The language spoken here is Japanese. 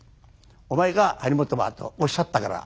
「お前か張本は」とおっしゃったから。